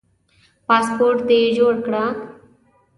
پاسپورټ دي جوړ کړه